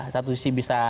satu sisi bisa